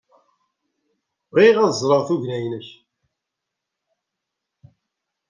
Bɣiɣ ad ẓreɣ tugna-nnek.